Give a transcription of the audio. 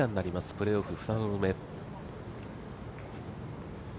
プレーオフ２ホール目。